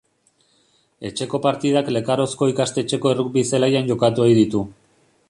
Etxeko partidak Lekarozko ikastetxeko errugbi zelaian jokatu ohi ditu.